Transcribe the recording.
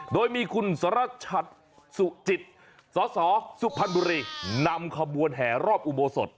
โดยมีคุณสรชัดสุจิตสสสุพรรณบุรีนำขบวนแห่รอบอุโบสถ